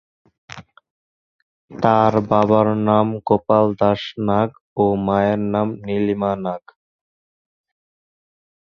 তার বাবার নাম গোপাল দাস নাগ ও মায়ের নাম নীলিমা নাগ।